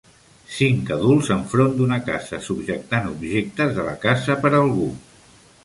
Cinc adults enfront d'una casa subjectant objectes de la casa per a algú.